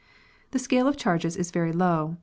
The scale of charges is very low.